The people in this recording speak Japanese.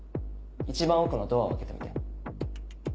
一番奥のドアを開けてみて。